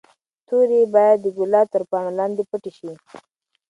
توري باید د ګلاب تر پاڼو لاندې پټې شي.